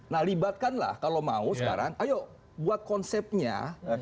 nah libatkanlah kalau mau sekarang ayo buat konsepnya